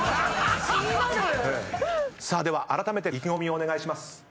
さあではあらためて意気込みをお願いします。